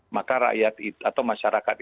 maka rakyat atau masyarakat